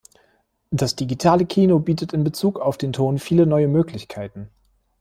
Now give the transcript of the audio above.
Das digitale Kino bietet in Bezug auf den Ton viele neue Möglichkeiten.